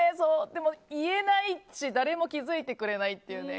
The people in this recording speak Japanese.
でも言えないし誰も気づいてくれないというね。